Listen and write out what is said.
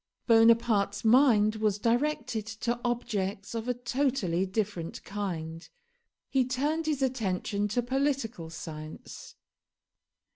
Bonaparte's mind was directed to objects of a totally different kind. He turned his attention to political science.